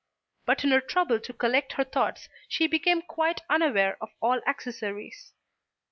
But in her trouble to collect her thoughts she became quite unaware of all accessories.